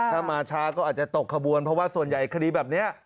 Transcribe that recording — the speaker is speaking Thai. ถ้ามาช้าก็อาจจะตกขบวนเพราะว่าส่วนใหญ่คดีแบบนี้